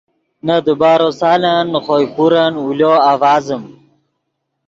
نے دیبارو سالن نے خوئے پورن اولو آڤازیم